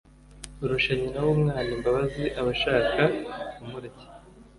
Urusha nyina w'umwana imbabazi aba ashaka kumurya